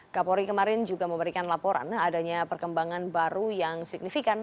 kapolri kemarin juga memberikan laporan adanya perkembangan baru yang signifikan